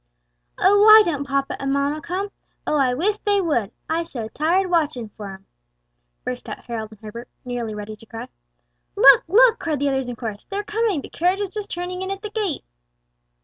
"Oh, why don't papa and mamma come?" "Oh, I wis dey would! I so tired watchin' for 'em!" burst out Harold and Herbert, nearly ready to cry. "Look! look!" cried the others in chorus, "they are coming, the carriage is just turning in at the gate!"